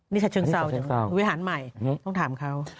นี่ฉะเชิงเซาวิหารใหม่ต้องถามเขา